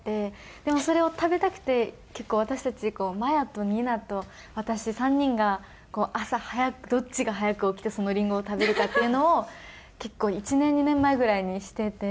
でもそれを食べたくて結構私たちこうＭＡＹＡとＮＩＮＡと私３人が朝早くどっちが早く起きてそのりんごを食べるかっていうのを結構１年２年前ぐらいにしてて。